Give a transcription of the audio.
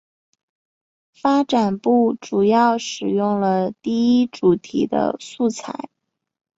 发展部主要使用了第一主题的素材。